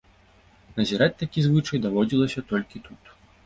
Назіраць такі звычай даводзілася толькі тут.